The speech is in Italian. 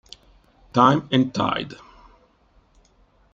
Time and Tide